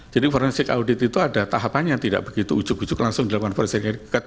jadi forensic audit itu ada tahapannya tidak begitu ujug ujug langsung dilakukan forensic audit